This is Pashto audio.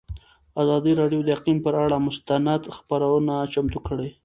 ازادي راډیو د اقلیم پر اړه مستند خپرونه چمتو کړې.